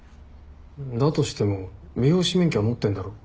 だとしても美容師免許は持ってんだろ？